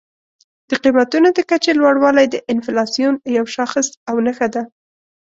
د قیمتونو د کچې لوړوالی د انفلاسیون یو شاخص او نښه ده.